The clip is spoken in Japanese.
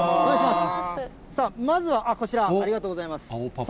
さあ、まずはこちら、ありがとうございます。